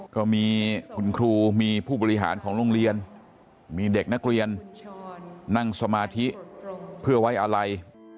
ก็มีคุณครูมีผู้บริหารของโรงเรียนมีเด็กนักเรียนนั่งสมาธิเพื่อไว้อะไร